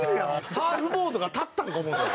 サーフボードが立ったんか思うたよ